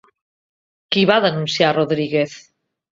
Qui va denunciar a Rodríguez?